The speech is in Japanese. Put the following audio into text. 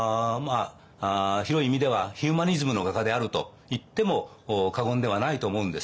広い意味ではヒューマニズムの画家であるといっても過言ではないと思うんです。